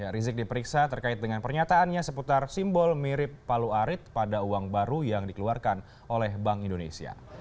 rizik diperiksa terkait dengan pernyataannya seputar simbol mirip palu arit pada uang baru yang dikeluarkan oleh bank indonesia